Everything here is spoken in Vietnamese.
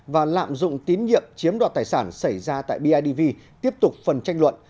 và lạm dụng tín nhiệm chiếm đoạt tài sản xảy ra tại bidv tiếp tục phần tranh luận